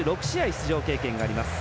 出場経験があります